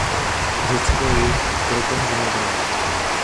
Řecko ji prokonzumovalo.